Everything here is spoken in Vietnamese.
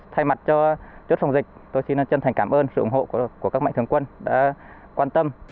thay mặt cho chốt phòng dịch tôi xin chân thành cảm ơn sự ủng hộ của các mạnh thường quân đã quan tâm